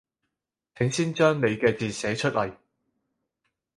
請先將你嘅字寫出來